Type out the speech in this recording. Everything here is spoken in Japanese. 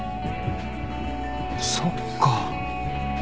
そっか。